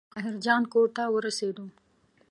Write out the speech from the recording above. عبدالقاهر جان کور ته ورسېدو.